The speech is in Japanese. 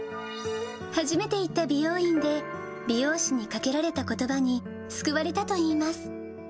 初めて行った美容院で、美容師にかけられたことばに救われたといいます。